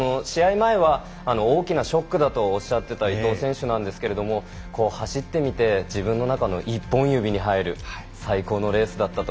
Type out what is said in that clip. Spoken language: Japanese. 前は大きなショックだとおっしゃってた伊藤選手なんですけれども走ってみて自分の中の一本指に入る最高のレースだったと。